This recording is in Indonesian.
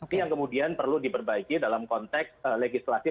ini yang kemudian perlu diperbaiki dalam konteks legislasi